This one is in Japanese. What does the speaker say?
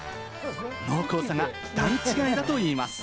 濃厚さが段違いだといいます。